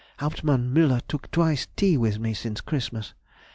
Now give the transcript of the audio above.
Hauptmann Müller took twice tea with me since Christmas.